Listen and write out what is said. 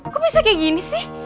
kok bisa kayak gini sih